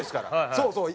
そうそう。